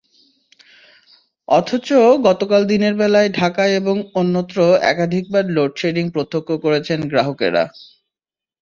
অথচ গতকাল দিনের বেলায় ঢাকায় এবং অন্যত্র একাধিকবার লোডশেডিং প্রত্যক্ষ করেছেন গ্রাহকেরা।